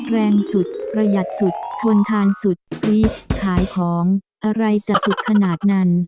แรงสุดประหยัดสุดทนทานสุดกรี๊ดขายของอะไรจะสุดขนาดนั้น